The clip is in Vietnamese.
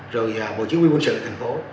rồi bộ chính quyền quân sự thành phố